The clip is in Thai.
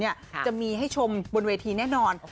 จะมีให้ชมบนเวทีแน่นอน